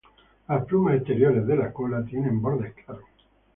Las plumas exteriores de la cola tienen bordes claros.